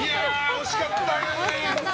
惜しかったね。